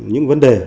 những vấn đề